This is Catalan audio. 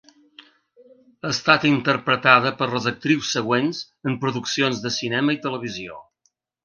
Ha estat interpretada per les actrius següents en produccions de cinema i televisió.